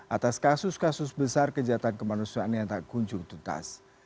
atas kasus kasus besar kejahatan kemanusiaan yang tak kunjung tuntas